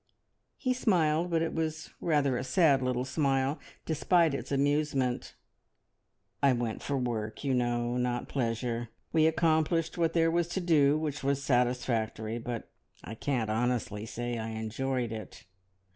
He smiled, but it was rather a sad little smile, despite its amusement. "I went for work, you know, not pleasure. We accomplished what there was to do, which was satisfactory; but I can't honestly say I enjoyed it."